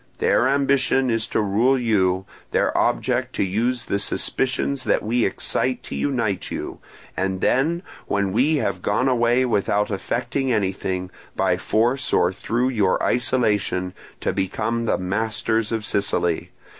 Their ambition is to rule you, their object to use the suspicions that we excite to unite you, and then, when we have gone away without effecting anything, by force or through your isolation, to become the masters of Sicily.